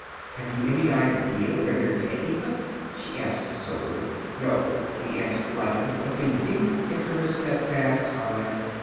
"Have you any idea where they're taking us?" she asked soberly. "No," he answered flatly, looking deep into her steadfast eyes.